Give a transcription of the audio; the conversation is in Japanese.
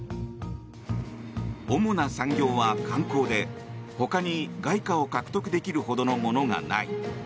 主な産業は観光で、他に外貨を獲得できるほどのものがない。